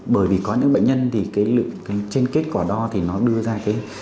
bởi vì có những bệnh nhân thì cái lượng trên kết quả đo thì nó đưa ra cái